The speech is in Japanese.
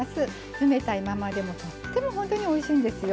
冷たいままでもとっても本当においしいんですよ。